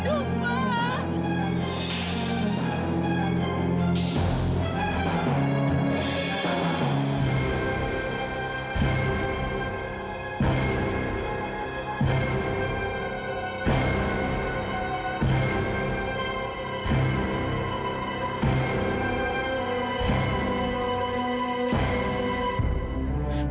tapi allah anjing